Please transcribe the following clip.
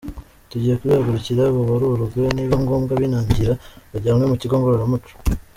Tugiye kubihagurukira, babarurwe, ni biba ngombwa abinangira bajyanwe mu kigo ngororamuco.